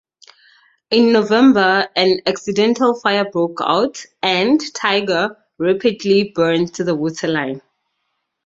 In November, an accidental fire broke out and "Tyger" rapidly burned to the waterline.